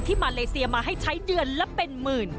มาเลเซียมาให้ใช้เดือนละเป็นหมื่น